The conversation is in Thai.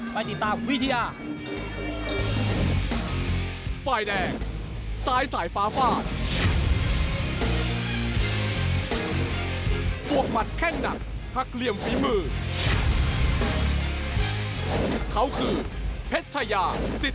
ไปติดตามวิทยา